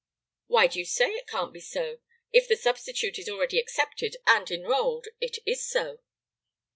"Why do you say it can't be so? If the substitute is already accepted and enrolled it is so."